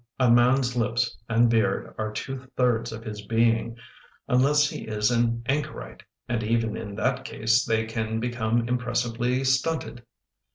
A man's lips and beard are two thirds of his being, unless he is an anchorite, and even in that case they can become impressively stunted.